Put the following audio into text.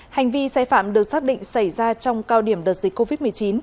hành vi sai phạm được xác định xảy ra trong cao điểm đợt dịch covid một mươi chín